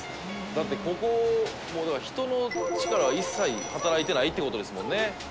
「だってここもうだから人の力は一切働いてないって事ですもんね」